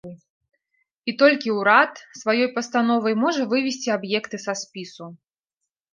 І толькі ўрад сваёй пастановай можа вывесці аб'екты са спісу.